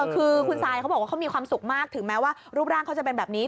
คุณหน้าเขามีความสุขมากถึงแม้ว่ารูปร่างเขาจะเป็นแบบนี้